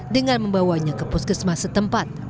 dengan membawanya ke puskesmas setempat